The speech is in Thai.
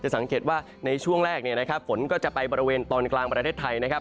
สังเกตว่าในช่วงแรกฝนก็จะไปบริเวณตอนกลางประเทศไทย